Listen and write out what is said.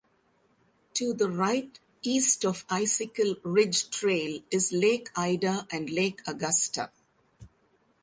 To the right (East) of Icicle Ridge Trail is Lake Ida and Lake Augusta.